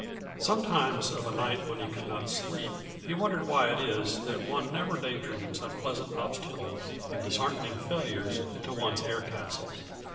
Sometimes, of a night when he could not sleep, he wondered why it is that one never day dreams unpleasant obstacles and disheartening failures into one's air castles.